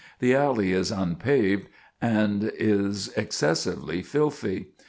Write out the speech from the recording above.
The alley is unpaved, and is excessively filthy.